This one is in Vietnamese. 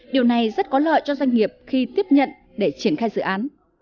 điều này rất có lợi cho doanh nghiệp khi tiếp nhận để triển khai dự án